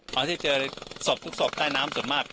พอที่เจอศพทุกใต้น้ำสุดมาก